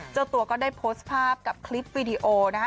เจ้าตัวก็ได้โพสต์ภาพกับคลิปวีดีโอนะคะ